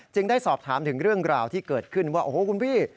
ได้สอบถามถึงเรื่องราวที่เกิดขึ้นว่าโอ้โหคุณพี่